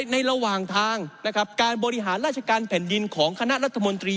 ระหว่างทางนะครับการบริหารราชการแผ่นดินของคณะรัฐมนตรี